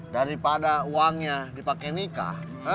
daripada uangnya dipake nikah